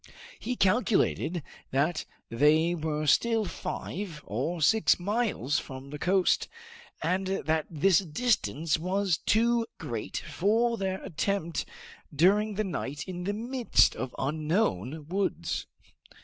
He calculated that they were still five or six miles from the coast, and this distance was too great for them to attempt during the night in the midst of unknown woods.